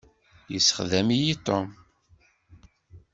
Yessexdem-iyi Tom.